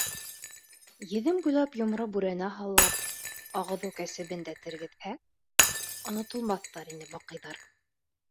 Еҙем буйлап йомро бүрәнә һаллап ағыҙыу кәсебен дә тергеҙһә, отолмаҫтар ине Баҡыйҙар.